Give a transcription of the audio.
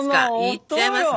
いっちゃいますね。